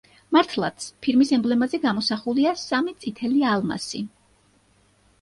მართლაც, ფირმის ემბლემაზე გამოსახულია სამი წითელი ალმასი.